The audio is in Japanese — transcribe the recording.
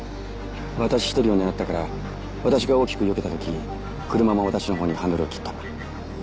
私一人を狙ったから私が大きく避けた時車も私のほうにハンドルを切った。